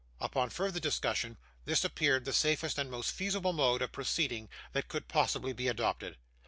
Upon further discussion, this appeared the safest and most feasible mode of proceeding that could possibly be adopted.